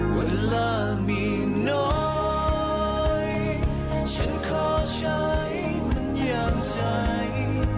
เวลามีน้อยฉันขอใช้มันอย่างใจ